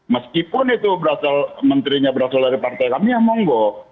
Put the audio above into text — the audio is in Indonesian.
meskipun itu menterinya berasal dari partai kami ya monggo